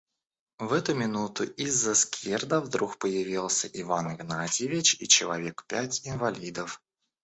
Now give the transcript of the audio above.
В эту минуту из-за скирда вдруг появился Иван Игнатьич и человек пять инвалидов.